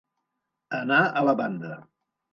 Anar a la banda.